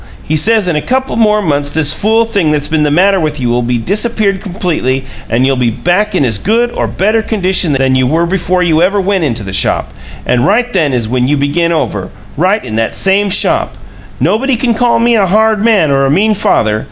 He says in a couple more months this fool thing that's been the matter with you'll be disappeared completely and you'll be back in as good or better condition than you were before you ever went into the shop. And right then is when you begin over right in that same shop! Nobody can call me a hard man or a mean father.